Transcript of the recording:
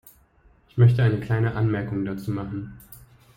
Ich möchte eine kleine Anmerkung dazu machen.